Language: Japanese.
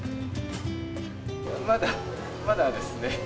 まだまだですね。